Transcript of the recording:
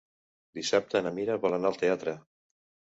Dissabte na Mira vol anar al teatre.